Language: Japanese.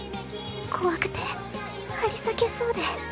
怖くて張り裂けそうで。